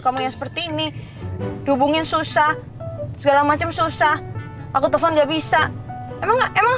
kamu yang seperti ini dihubungin susah segala macam susah aku telepon gak bisa emang